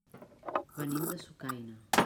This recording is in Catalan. Venim de Sucaina.